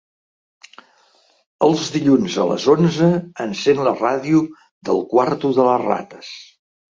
Els dilluns a les onze encèn la ràdio del quarto de les rates.